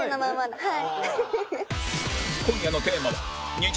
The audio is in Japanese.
はい。